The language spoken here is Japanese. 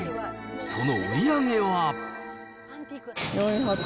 その売り上げは。